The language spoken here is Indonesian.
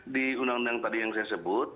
di undang undang tadi yang saya sebut